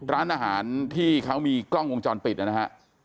ร้านอาหารที่เขามีกล้องวงจรปิดนะฮะ